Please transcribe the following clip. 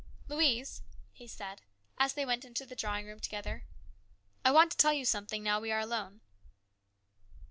" Louise/' he said as they went into the drawing room together, " I want to tell you something, now we are alone."